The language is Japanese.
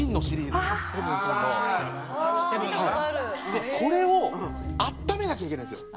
でこれを温めなきゃいけないんですよ。